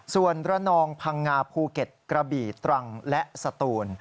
ส่วนระนองพังงาภูเก็ตกระบี่ตรังและสตูน